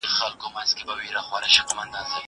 زه له سهاره ونې ته اوبه ورکوم!؟